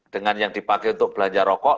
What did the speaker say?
dengan yang dipakai untuk belanja rokok